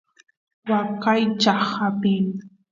waqaychaq apin